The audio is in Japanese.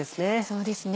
そうですね。